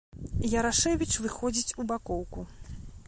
Ярашэвіч выходзіць у бакоўку.